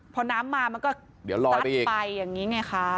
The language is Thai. พอน้ำมามันก็ซัดไปอย่างนี้ไงคะ